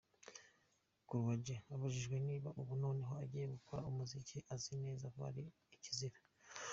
Croidja abajijwe niba ubu noneho agiye gukora umuziki azi neza ko ari ikizira.